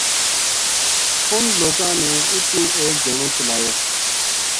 اُنھ لوکاں نے اُتو ایک جنو چلایو